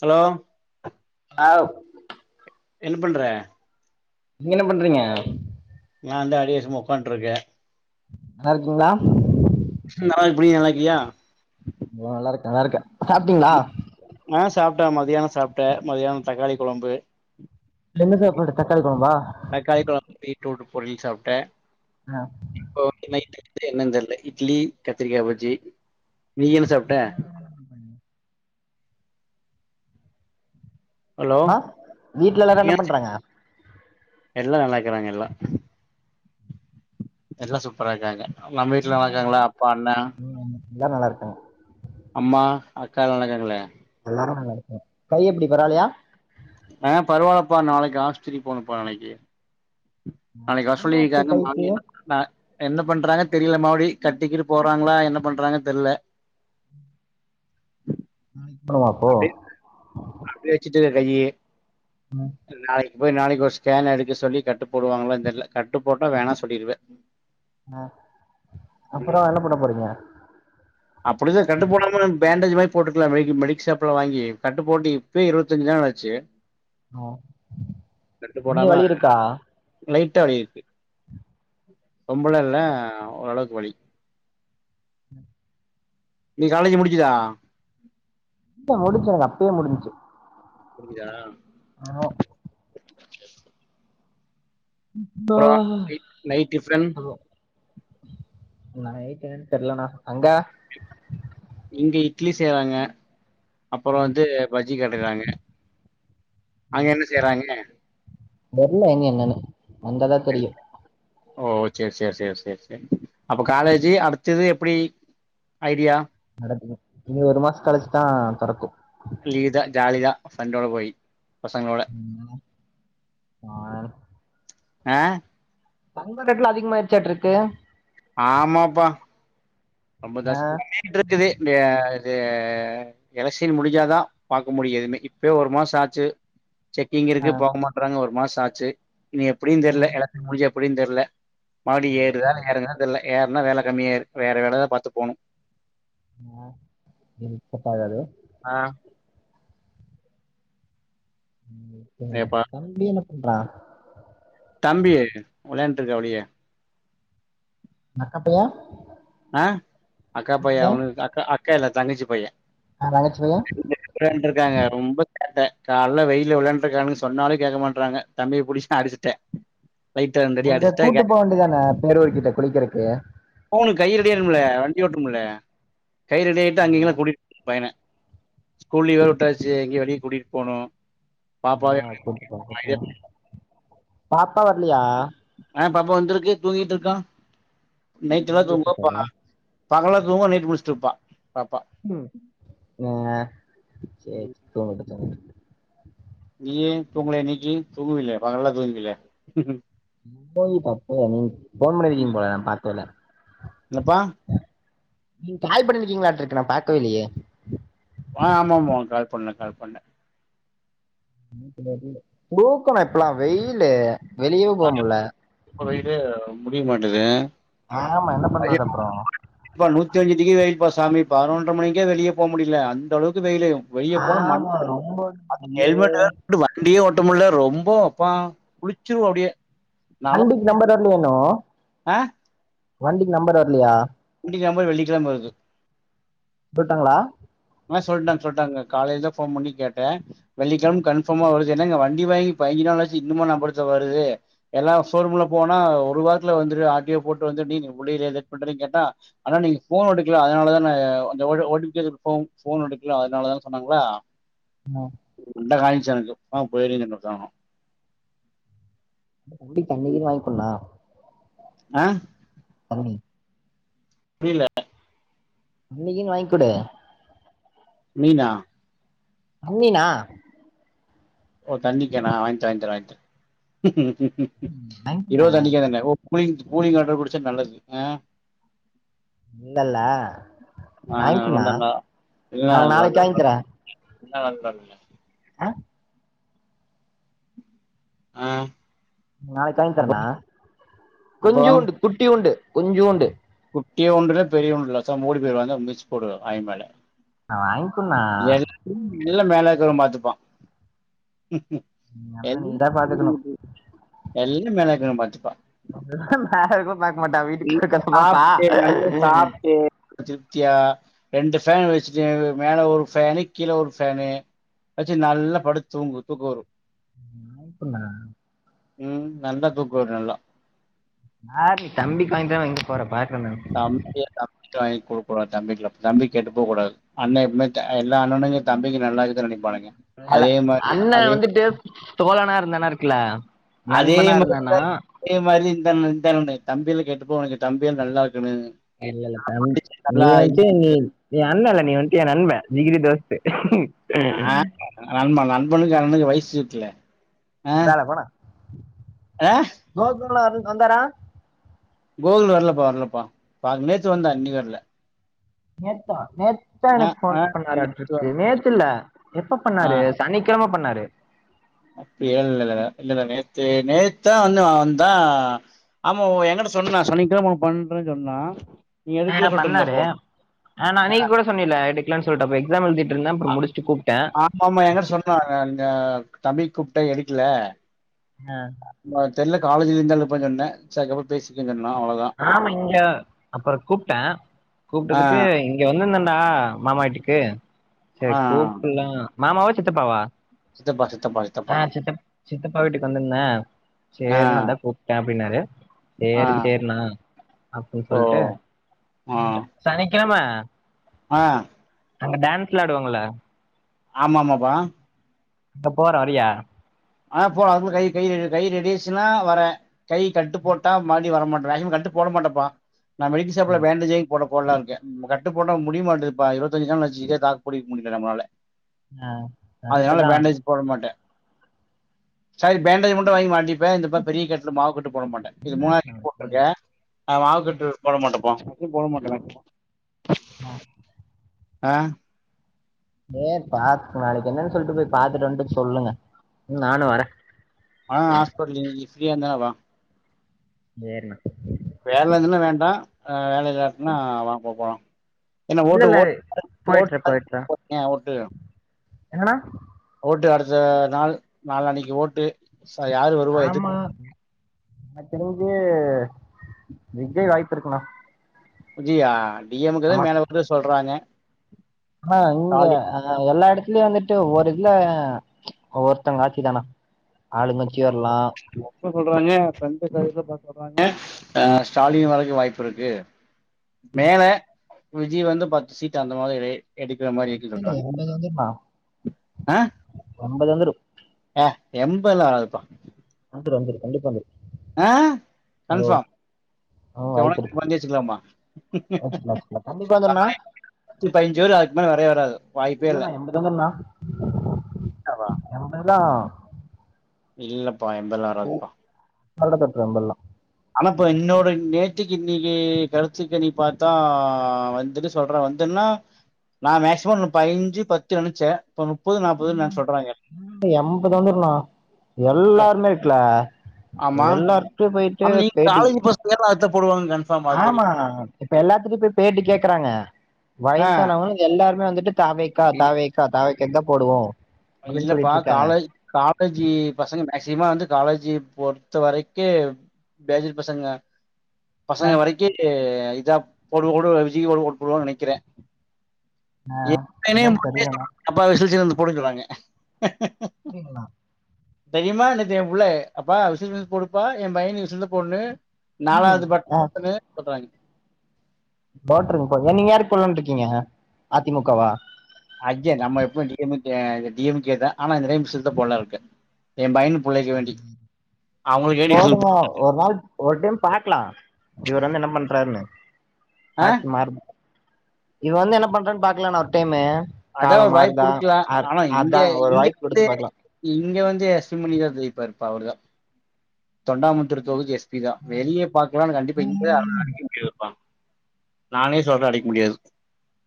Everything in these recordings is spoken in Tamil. ஹலோ ஆ வ் என்னு பண்ற நீங் என்ன பண்றீங்க நா வந்து அப்படியே சும்மா உக்காண்டிருக்கே நல்லா இருக்கீங்களா நீ நல்லாக்கியா ப்ரோ நல்லாருக்கே நல்லாருக்கே சாப்டீங்களா ட்ட நா மத்தியான சாப்ட்ட மத்தியானொ தக்காளி கொழம்பு என்ன சாப்பாடு தக்காளி கொழம்பா தக்காளி கொழம்பு பீட்ரூட் பொரியல் சாப்ட்டே ஆஹ் என்னன் தெர்ல இட்லி கத்திரிக்கா பஜ்ஜி நீ என்ன சாப்ட்ட [inaudible] ஹலோ அஹ வீட்ல எல்லாரு என்ன பண்றாங்க எல்லா நல்லாக்கிறாங்க எல்லா எல்லா சூப்பராக்காங்க நம்ம வீட்டுல நல்லக்காங்களா அப்பா அண்ணா எல்லாரு நல்லாருக்காங்க அம்மா அக்கா நல்லாருக்காங்கள்ள கை எப்படி பரவாலையா ஆஹ் பரவால்லப்பா நாளக்கி ஆஸ்பத்திரி போணுப்பா நாளைக்கி நாளைக்கி வர சொல்லி என்னாச்சு இருக்காங்க கைக்கு மாமியா [inaudible] என்ன பண்றாங்க தெரில மறுபடி கட்டு கீது போறாங்களா என்ன பண்றாங்கன் தெர்ல பண்ணுமா அப்போ அப்டியே அப்டியே வச்சுட்டு கையி நாளக்கி போய் நாளைக்கு ஒரு ஸ்கேன் எடுக்க சொல்லி கட்டு போடுவாங்களான் தெர்ல கட்டு போட்டா வேணா சொல்லிடுவ அஹ் அப்பறோ என்ன பண்ண போறீங்க அப்படிதா கட்டு போனமனு பேண்டேஜ் மாரி போட்டுக்கலா ம மெடிக்கல் ஷாப்ல வாங்கி கட்டு போட்டு இப்பவே இருவத்தஞ்சு நாளாச்சு இன்னு வலி இருக்கா ட்டா வலி இருக்கு பொம்பள ல ஓரளவுக்கு வலி நீ காலேஜ் முடிஞ்சதா இல்ல முடிஞ்ச்சு எனக்கு அப்பயே முடிஞ்ச்சு முடுஞ்தா ஆஹ் அப்புறோ நைட் நைட் டிஃபன் நைட் என்னன் தெர்லனா அங்க இங்க இட்லி செய்றாங்க அப்பறோ வந்து பஜ்ஜி கேட்டறாங்க அங்க என்ன செய்றாங்க தெர்ல எங்க என்னனு வந்தாதா தெர்ல தெரியு ஓ செரி செரி செரி செரி செரி அப்ப காலேஜி அடுத்தது எப்டி ஐடியா நடக்குது இனி ஒரு மாசோ கழிச்சுதா தோறக்கு ஜாளிதா ஃபிரண்டோட போய் பசங்களோட வாயால எ தங்க ரேட்டெல்லா அதிகமாயிர்ச்சாட்டாருக்கு ஆமாப்பா ரொம்ப ஆ ஜாஸ்தி [inaudible] இருக்குது இது எலக்ஷ்ன் முடிஞ்சாதா பாக்க முடியு எதுமே இப்பயே ஒரு மாசொ ஆச்சு செக்கிங் ஆ இருக்கு போ மாற்றாங்க ஒரு மாசந் தாச்சு இனி எப்டினு ஆ தெரில எலெக்ஷன் முடிஞ்ச எப்டினு தெரில மறுபடி ஓ ஏறுதா சேரி சேரி எறங்தானு தெரில ஏற என்ன வேல கம்மியாயிரு வேற வேலதா பாத்து போணு ஆஹ் செட்டாகாது ஆ ஏப்பா தம்பி என்ன வா தம்பி வெளையாண்டுருக்காப்டி வெளிய உங்க அக்கா பைய்ய ஆஹ் அக்கா பைய்ய அவனு இருக்கா அக் அக்கா அக்கா இல்ல தங்கச்சி பைய்ய ஆ தங்கச்சி பைய [unintelligible] வெளாண்டு இருக்காங்க ரொம்ப சேட்டா கால்ல வெயில விளாண்றக்கான்னுங்க சொன்னாலு கேக்க மாட்டறாங்க தம்பிய புடிச்சுட்ட அடிச்சுட்ட அங்க கூட்டு போ வேண்டியதுதான பேரூர் கிட்ட குளிக்கறதுக்கு போணு கை ரெடியாவணும்ல வண்டி ஓட்டும்ல்ல கை ரெடி ஆயிட்டு அங்கி ஆ இங்ககெல்லா கூட்டிட்டு போ [unintelligible] பைய்யன ஸ்கூல் லீவு வேற விட்டாச்சு எங்கேயு வெளிய கூட்டிட்டு போனு பாப்பாவ ஆ கூட்டுப்போங்க போங்க பாப்பா வர்லயா ஆ பாப்பா வந்துருக்கு தூங்கிட் இருக்கா நைட்டுல்லா தூங்க தூங்கிட்ருக்கா போனா பகலா தூங்வா நைட்டு முழிச்சுட்ருப்ப பாப்பா இங்க சேர் தூங்கட்டு தூங்கட் நீயே தூங்கல இன்னிக்கு தூங்குவிங்ளே பகலெல்லா தூங்குவீங்ளே [unintelligible] போன் பண்ணிர்கீங் ம். போல நா பாக்வேல்ல என்னப்பா நீங் கால் பண்ணிருக்கீங்ளா இருக்கு நா பாக்வே இல்லியே அ அமாமா கால் பண்ன கால் பண்ன புளூக்கனே இப்பலா வெயிலு வெளியேவும் போகமுடில புரியமாட்டேது ஆமா என்ன பண்றது அப்றொ [unintelligible] வைப்பா சாமி பதரொன்ற மணிக்கே வெளிய போ முடில அந்த அளவுக்கு வெயிலு வெளிய போனா ஆமா மண்ட ரொம்ப அது ஐயோ ஹெல்மெட் போட்டு வண்டியே ஓட்ட ல ரொம்ப அப்பா குளிச்சிருவ அப்டியே அண்டிக்கு நம்பர் வரலயா இன்னு ஆஹ வண்டிக்கு நம்பர் வரலையா வண்டிக்கு நம்பர் வெள்ளிக்கிழமை வருது போட்டாங்ளா ஆ சொல்டன் சொல்டாங்க காலைல போன் பண்ணி கேட்டே வெள்ளிக்கிழம் கன்ஃபார்மா வருது எனா இங்க வண்டி வாங்கி பதிஞ்சி நாள் ஆச்சி இன்னுமா நம்பர்சொ வருது எல்லா ஷோரூம்ல போனா ஒரு வாரத்ல வந்துரு ஆர் டி ஓ போட்டு வந்துரு நீ புடி லே லேட் பண்றின் கேட்டா ஆனா நீங்க போன் எடுக்கல அதனாலதா நா ஓ டி பி கேக்க கூ போன் எடுக்கல அதனாலதான் சொன்னாங்களா உண்டகாஞ் [unintelligible] வண்டிக் அண்ணிக்குன் வாய்ங்குடுணா ஆஹ் அமனி புரியல அன்னிக்குன் வாய்ங்க் குடு நீீனா அம்மீனா ஓ தண்ணி கேனா வாய்ட்ட வாங்ட வாங்தரே வாங்கி இருவ குடுண்ணா தண்ணிகே தான ஓ கூலிங் கூலிங் வாட்டர் குடிச்சா நல்லது ஆஹ் இல்லல்ல ஆ, நல்லா வாங்க்கொண்ணா நல்லா நா நாளைக்கு வாங்த்தறே என்ன நல் [unintelligible] ஆ ஆஹ் நாளிக் காய்ல் தரனா அப்புறம் கொஞ்சூண்டு குட்டியூண்டு கொஞ்சோண்டு டிய ஒன்றுலே பெரிய ஒன்றுலே பேசாம மூடிப் போய்வாங்கி வந்தே மிதிச்சு போடுவ ஆய் மேல ணா வாங்கிகுடுணா எல்லா மேல இருக்கறவ பாத்துப்பா எங்க அண்ணன என்ன நீதா பாத்துக்கணு சொல்றது எல்லா மேல இருக்கறவ பாத்துப்பா எல்லா மேல இருக்றவ நீ சாப்ட்டு நல்ல சாப்ட்டு திருப்தியா ரெண்டு ஃபேனு வெச்சிட்டு மேல ஒரு ஃபேனு, கீழ ஒரு ஃபேனு வச்சி நல்லா படுத்து தூங்கு தூக்கோ வரு சூப்பர்ண்ணா ம் நல்லா தூக்கோ வரு நல்லா யார்லி தம்பிக்கு வாங்கித் தானே வாங்கிட் போறே பாரு அண்ண டு வாங்கி குடுக்க கூடாது தம்பிக்லா தம்பி கெட்டு போ கூடாது அண்ண எப்பமே த எல்லா அண்ணனுமே தம்பிங்க நல்லா இருக்க நெனை ஹலோ அண்ணன் வந்துட்டு தோழனா அந்த அண்ண இருக்குல அதே மாதிரி தான் இதே மாதிரி இந்த அண்ணனு இந்த அண்ணனு தம்பியெல்லா கெட்டு போவானுங்க தம்பிய நல்லா இருக்கணும். இல்ல இல்ல தம் நீ நல்லா வச்சி இது- நீ அண்ணல்ல நீ வந்துட்டு என் நண்பேன் ஜிகிரி தோஸ்து நா நண்ப ந நண்பனுக்கு அண்ணணுக்கு வயசு இருக்குல ஆ வேலை போனா ஆ கோலாரு வந்தாரா கோகுல் வர்லப்பா வர்லப்பா பாக் நேத்து வந்தான் இன்னிக்கு வர்ல நேத்தா நேத்துதா எனக்கு ஃபோன் ஆ நேத்து பண்ணாறாட்டுருக்கு நேத்து வந்தான் இல்ல எப்ப பண்ணாரு சனிக்கெழம பண்ணாரு அப்டியேஇல்லேல்ல இல்லல்ல நேத்து நேத்து தான் வந்து வந்தான் ஆமா எங்கிட்ட சொன்னான் சனிக்கெழம ஒன்னு பண்றன் சொன்னா நீ ஆ நா எடுக்கல சொல்ட்டு இருந்தா பண்ணாரு ஃபோன் ஆ நா நீ கூட சொன்னியில்ல எடுக்லேன் சொல்லிட் எக்ஸாம் எழுதிட் ருந்த அப்றோ ஆ முடிச்சிட் கூப்ட்டேன் ஆமா ச் கூப்ட்டா எடுக்ல ஆ தெர்ல காலேஜ் இருந்தா இருப்பான் கண்ணு சரி பேசிக்கலாம் கண்ணு ஆமா இங்க அப்றோ கூப்ட்டே ஆ கூப்ட்டதுக்கு இங்க வந்து இந் ஆ மாமா வீட்டுக்கு ஆ செர் கூப்புல்லா மாமாவா சித்தப்பாவா சித்தப்பா சித்தப்பா சித்தப்பா ஆ சித்தப் சித்தப்பா வீட்டுக்கு வந்துருந்தே ஆ சேரின்னே அதா கூப்பிட்டே அப்படின்னாரு ஆ சேரி சேரி நா அப்படின்னு ஓ சொல்லிட்டு ஆ சனிக்கிழம ஆ ஆ அங்க டான்ஸெலா ஆடுவாங்கல்ல ஆமாமாபா இப்ப போறோம் வரியா ஆ போ அதுக்குள்ள கை கை கை ரெடியாச்சுன்னா வரேன் கை கட்டு போட்டா மறுபடி வரமாட்டேன் கை கட்டு போட மாட்டப்பா நா மெடிக்கல்சாப்பல ம். பாண்டேஜ் வாங்கி போட போடலாம்னுயிருக்கே கட்டு போட்டா முடியமாட்டதுப்ப இருபத்தஞ்சு நாளாச்சு இதேதாக்கு புடிக்க முடியல நம்பளால ஆ கரெக்ட்டு அதனால தா பேண்டேஜ் போட மாட்டேன் செரி பேண்டஜு மட்டும் வாங்கி மாட் இப்ப இந்தப்பாரு பெரிய கட்டுல மாவுக்கட்டு போட மாட்டேன் இது என்ன மூணா ஆச்சு கட்டு அவனுக்கு போட்டிருக்கே நா ஆ மாவுக்கட்டு போட மாட்டேம்ப்பா கட்டு போட மாட்டேனே ம் ஆ ஏன் பாத்து நாளைக்கு என்னென்னு சொல்லிட்டு போய் பாத்துட்டு வந்துட்டு சொல்லுங்க ம் நானு வரே ஆ ஹாஸ்பிட்டலு இன்னக்கி நீ ஃப்ரியாருந்தா வா சேரிணா வேல இஞ்ச்ன்னா வேண்டா அ வேலை இல்லாட்னா வாங்ப்பா போலா என்ன இல்ல ஓட்டு இல்ல [inaudible] ஓட்டு எங்கணா ட்டு அடுத்த நாள் நாலானைக்கு ஓட்டு சோ யாரு வருவா எது [inaudible] எனக் தெரிஞ்சு விஜய் வாய்ப்பு இருக்குணா விஜியாய் டீ எம் கே தா மேல வருது சொல்றாங்க ஆஹ் இங்க ஸ்டாலின் அ எல்லாயிட த்திலியு வந்துட்டு ஒவ்வொரு இதுல ஒவ்வொருத்தங்க ஆட்சி தாணா ஆளுங்கச்சியா உங் அப்ப சொல்றாங்க [unintelligible] எதுலப்பா சொல்றாங்க அ ஸ்டாலின் வரைக்கு வாய்ப்பு இருக்கு மேல விஜி வந்து பத்து சீட்டு அந்த மாதிரி எடுக்கிற மாரி இருக்கு இல்ல சொல்றாங்க எண்பது வந்துருண்ணா எண்பது வந்துரு அ ஏ எம்பதுல்லா வராதுப்பா வந்துரு வந்துரு கண்டிப்பா வந்துரு அ ஓ கன்ஃபாம் ஆ ச்ச வாய்ப்பு உனக் [inaudible] இருக்கு வெச்சுக்லாமா வச்சுக்கலா வச்சுக்கலா கண்டிப்பா வந்துருண்ணா நுத்தி பய்ஞ்சு வரு அதுக்கு மேல வரே வராது வாய்ப்பே இல்ல இல்லண்ணா எண்பது வந்துருண்ணா எண்பதுதா இல்லப் ப்பா எம்பதல்லா வராதுப்பா நல்லதட் ரம்பெல்லா நா ப்ப இன்னோரு நேத்திக்கி இன்னிக்கி கருத்துக்கணிப் பாத்தா வந்துட்டு சொல்றே வந்துன்னா நா மேக்சிம னு பைஞ்சு பத்து நெனைச்சே எம்பது வந்துருண்ணா எல்லாருமேட்ல ஆமா ஆம் நீங் பேட்டி காலேஜ் பஸ்தா [unintelligible] போடுவாங் ஆமா இப்ப எல்லாத்திட்டையு போய் பேட்டி கேக்கறாங்க ஆ வயசானவங்களு எல்லா மே வந்துட்டு தா வெ கா தா இல் வெ கா தா வெ கெத்த போடுவோ அப்டின்னு இல்லப்பா சொல்லிட்டு இருக்காங்க காலேஜ் காலேஜி பசங்க மேக்சி க்கிமா வந்து காலேஜி பொறுத்த வரைக்கி பேஜர் பசங்க பசங்க வரைக்கி எ இதா போடு போடு விஜிக்கு ஒ ஒட் போடுவான் நெனைக்கிறே ஆஹ் அதா தெர்லணா புடுங்குறாங்க அப்டிங்ளா தெரியமா நேத்து எ புள்ள அப்பா விசில் சின்னதுக் போடுப்பா எ பையன்னு விசில் தா போடனு ம் நாலாவது பட் ஆ [inaudible] சொல்றாங்க போட்ருங்க போ ஏன் நீங்க யாருக்கு போடலானு இருக்கீங்க அதிமுகவா அய்ய நம்ம எப்போ டி எம் க்கு கே டி எம் கே தா ஆனா இந்த டைம் விசில்க்கு தா போடலானு இருக்க எம் பையனு விசில் போடுங்க ஒரு நாள் ஒரு டைம் பாக்கலா இவர் வந்து என்ன பண்றாருன்னு ஆ ஆட்சி மாறுனு இவன் வந்து என்ன பண்றான் பாக்காலாணா ஒரு டைம் அதா ஒரு வாய்ப்பு குடுக்கலா ஆனா இங்க அதா ஒரு இங்க வாய்ப்பு வந்து குடுத்து பாக்கலா இங்க வந் து அஸ்விமணிதா ஜெய்ப்பாருப்பா அவருதா தொண்டாமுத்தர் தொகுதி ப்பிதா வெளியே பாக்கலா ஆனா கண்டிப்பா இங்கே அவர அடிக்க முடியாதுப்பா நானே சொல்றே அடிக்க முடியாது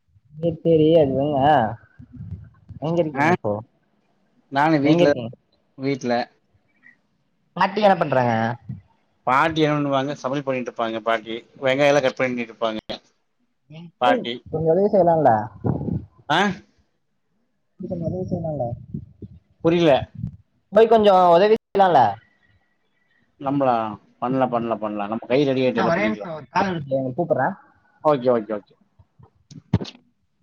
[unintelligible] எங்க ஆ இருக்கிங்க இப்போ? நானு எங்க வீட்டுல இருக்கீங்க வீட் ல மாட்டி என்ன பண்றாங்க பாட்டி என்ன பண்ணுவாங்க சமையல் பண்ணிட்டு இருப்பாங்க பாட்டி வெங்காயல்லா கட் பண்ணிட்டுருப்பாங்க [unintelligible] வேலயா செய்யலால ஆ இது நறைய [unintelligible] இல்ல போய் கொஞ்சோ உதவி செய்லால நம்பளா பண்லா பண்லா பண்லா நம்ம கை ரெடி ஆய்ட்டு ஆ எல்லா ஒரே பண்ணிக்லா நிமிஷோ ஒரு கால் வருது கூப்புட்றே ஓகே ஒ [unintelligible]